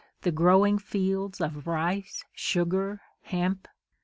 the growing fields of rice, sugar, hemp!